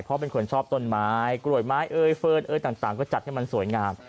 เพราะเป็นคนชอบต้นไม้กล้วยไม้เอ่ยเฟิร์นเอ้ยต่างก็จัดให้มันสวยงาม